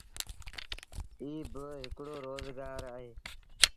ايٚ با هڪڙو روزگآر اهي۔